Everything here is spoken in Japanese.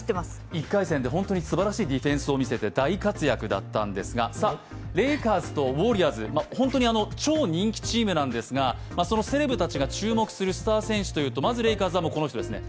１回戦で本当にすばらしいディフェンスを見せて大活躍だったんですが、レイカーズとウォリアーズ、本当に超人気チームなんですがそのセレブたちが注目するスター選手というと、まずはこの人ですね。